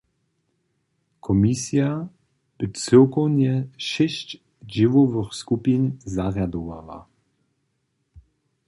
Komisija bě cyłkownje šěsć dźěłowych skupin zarjadowała.